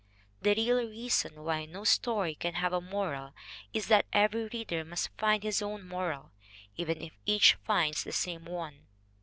The real reason why no story can have a moral is that every reader must find his own moral, even if each finds the same one!